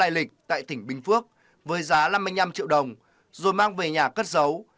tại lịch tại tỉnh bình phước với giá năm mươi năm triệu đồng rồi mang về nhà cất giấu